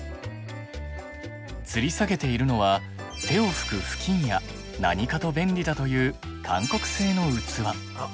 つり下げているのは手を拭く布巾や何かと便利だというあっ